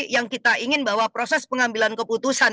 yang kita ingin bahwa proses pengambilan keputusan